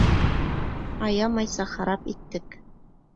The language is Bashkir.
Аямайса харап иттек.